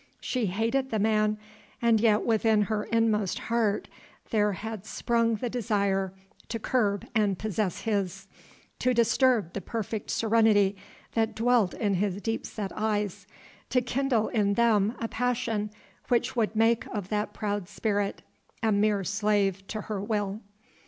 She hated the man, and yet within her inmost heart there had sprung the desire to curb and possess his; to disturb the perfect serenity that dwelt in his deep set eyes, to kindle in them a passion which would make of that proud spirit a mere slave to her will.